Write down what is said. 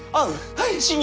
はい！